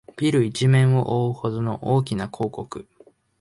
ビル一面をおおうほどの大きな広告